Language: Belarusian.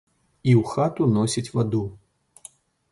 І ў хату носіць ваду.